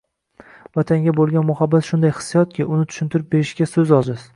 Vatanga bo‘lgan muhabbat shunday hissiyotki uni tushuntirib berishga so‘z ojiz